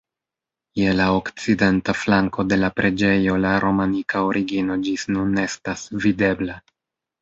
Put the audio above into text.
Je la okcidenta flanko de la preĝejo la romanika origino ĝis nun estas videbla.